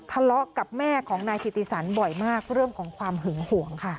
ทะเลาะกับแม่ของนายกิติสันบ่อยมากเรื่องของความหึงห่วงค่ะ